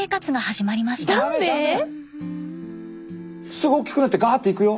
すぐ大きくなってガーッといくよ。